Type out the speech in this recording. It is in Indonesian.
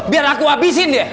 biar aku abisin dia